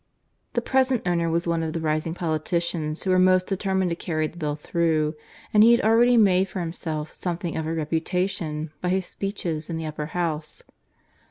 The present owner was one of the rising politicians who were most determined to carry the Bill through; and he had already made for himself something of a reputation by his speeches in the Upper House.